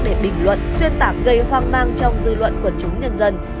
để bình luận xuyên tả gây hoang mang trong dư luận của chúng nhân dân